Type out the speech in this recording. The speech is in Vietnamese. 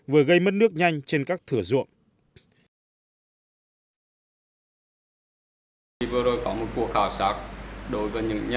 vừa gây mất nước nhanh trên các thửa ruộng